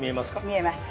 見えます。